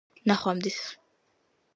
ნახვამდის